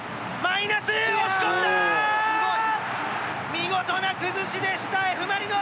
見事な崩しでしたＦ・マリノス。